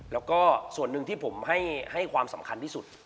แล้วก็ส่วนหนึ่งที่ผมให้ความสำคัญที่สุด